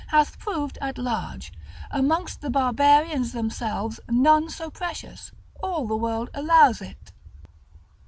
hath proved at large, amongst the barbarians themselves none so precious; all the world allows it.